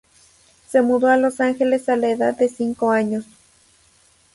Se mudó a Los Ángeles a la edad de cinco años.